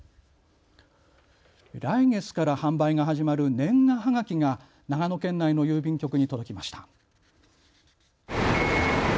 来月から販売が始まる年賀はがきが長野県内の郵便局に届きました。